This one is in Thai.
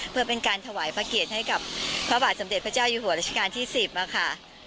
เพื่อเป็นการถวายพระเกียรติให้กับพระบาทสมเด็จพระเจ้าอยู่หัวรัชกาลที่๑๐ค่ะ